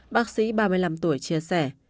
bác sĩ ba mươi năm tuổi chia sẻ